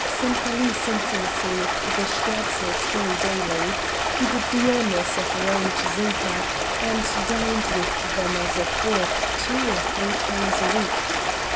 Sempaly's intimacy with the Sterzls grew daily; he did the honors of Rome to Zinka, and dined with them as a fourth two or three times a week.